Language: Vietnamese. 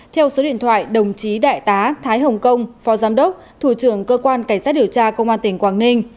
theo số điện thoại đồng chí đại tá thái hồng kông phó giám đốc thủ trưởng cơ quan cảnh sát điều tra công an tỉnh quảng ninh